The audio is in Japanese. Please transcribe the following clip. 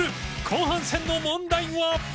後半戦の問題は